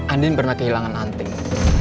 andin pernah kehilangan anting